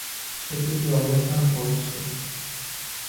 সেতুটি অবস্থান করছে